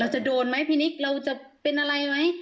จะโดนไหมพี่นิกเราจะเป็นอะไรไหม